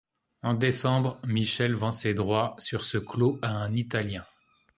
En décembre, Michel vend ses droits sur ce clos à un Italien.